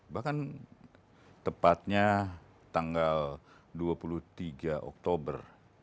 bahkan tepatnya tanggal dua puluh tiga oktober dua ribu sembilan belas